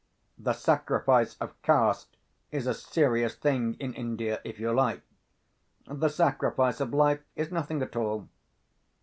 The sacrifice of caste is a serious thing in India, if you like. The sacrifice of life is nothing at all."